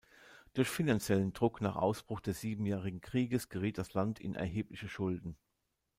Durch finanziellen Druck nach Ausbruch des Siebenjährigen Krieges geriet das Land in erhebliche Schulden.